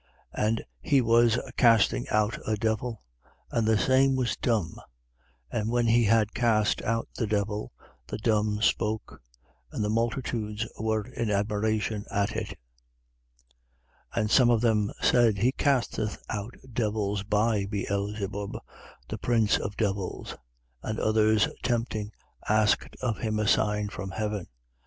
And he was casting out a devil: and the same was dumb. And when he had cast out the devil, the dumb spoke: and the multitudes, were in admiration at it. 11:15. But some of them said: He casteth out devils by Beelzebub, the prince of devils. 11:16. And others tempting, asked of him a sign from heaven. 11:17.